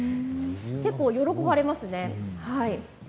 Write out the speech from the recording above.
結構、喜ばれますね。